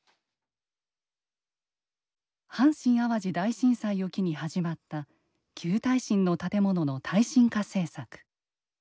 阪神・淡路大震災を機に始まった旧耐震の建物の耐震化政策。